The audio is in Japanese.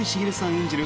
演じる